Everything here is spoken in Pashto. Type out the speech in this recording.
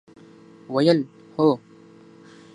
ویل ، هو!